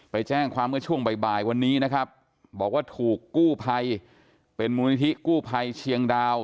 ไปแจ้งความเมื่อช่วงบ่ายวันนี้นะครับบอกว่าถูกกู้ภัยเป็นมูลนิธิกู้ภัยเชียงดาว